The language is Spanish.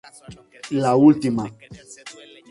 Dicha salvación se conmemora con la fiesta de Purim.